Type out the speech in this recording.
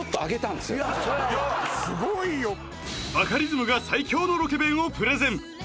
すごいよバカリズムが最強のロケ弁をプレゼン